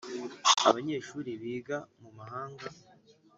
Abanyeshuri biga mu mahanga